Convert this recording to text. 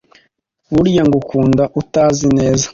burya ngukunda utazi neza